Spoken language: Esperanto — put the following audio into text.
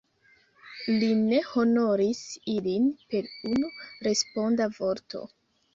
Li ne honoris ilin per unu responda vorto.